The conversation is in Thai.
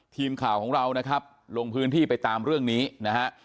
ทีมข่าวของเรานะครับลงพื้นที่ไปตามเรื่องนี้นะฮะ